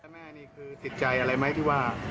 แม่นี่คือติดใจอะไรไหมที่ว่า